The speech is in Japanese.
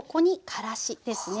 からしですか。